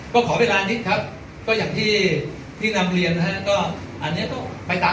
ก็ขอเวลานิดครับก็อย่างที่นำเรียนนะฮะก็อันนี้ต้องไปตาม